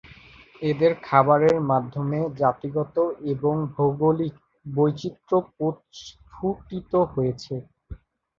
এদের খাবারের মাধ্যমে জাতিগত এবং ভৌগোলিক বৈচিত্র্য প্রস্ফুটিত হয়েছে।